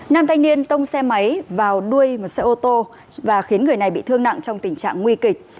nam thanh niên tông xe máy vào đuôi một xe ô tô và khiến người này bị thương nặng trong tình trạng nguy kịch